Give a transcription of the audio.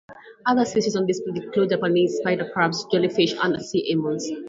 Other species on display include Japanese spider crabs, jellyfish, and sea anemones.